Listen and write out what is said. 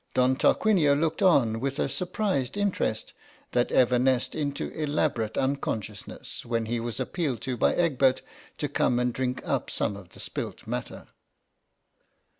Don Tarquinio looked on with a surprised interest that evanesced into elabor ate unconsciousness when he was appealed to by Egbert to come and drink up some of the spilt matter.